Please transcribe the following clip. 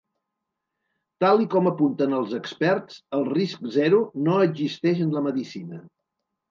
Tal i com apunten els experts, el risc zero no existeix en la medicina.